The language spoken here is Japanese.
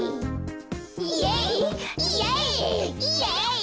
イエイイエイイエイ。